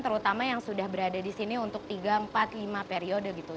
terutama yang sudah berada di sini untuk tiga empat lima periode gitu